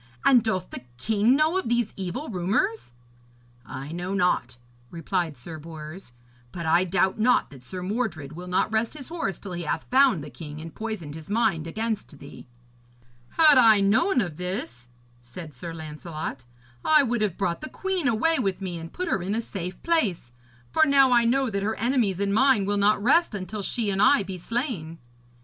And doth the king know of these evil rumours?' 'I know not,' replied Sir Bors, 'but I doubt not that Sir Mordred will not rest his horse till he hath found the king and poisoned his mind against thee.' 'Had I known of this,' said Sir Lancelot, 'I would have brought the queen away with me and put her in a safe place, for now I know that her enemies and mine will not rest until she and I be slain.'